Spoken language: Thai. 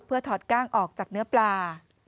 ถอดกล้างออกจากเนื้อปลา